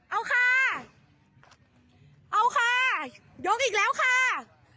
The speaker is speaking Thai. เอาค่ะเอาค่ะยกอีกแล้วค่ะ